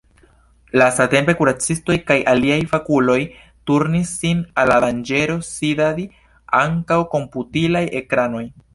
Lastatempe kuracistoj kaj aliaj fakuloj turnis sin al la danĝero sidadi antaŭ komputilaj ekranoj.